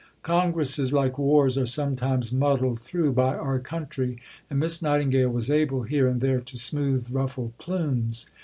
Congresses, like wars, are sometimes "muddled through" by our country, and Miss Nightingale was able here and there to smooth ruffled plumes.